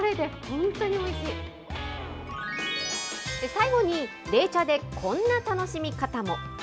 最後に、冷茶でこんな楽しみ方も。